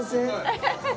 ハハハハ。